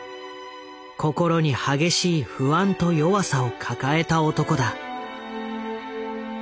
心に激しい不安と弱さを抱えた男だ。